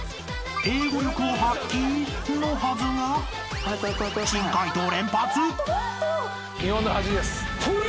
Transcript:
［英語力を発揮のはずが珍回答連発！］